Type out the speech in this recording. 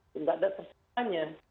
tidak ada persamaan